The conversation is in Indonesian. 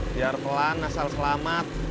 biar pelan asal selamat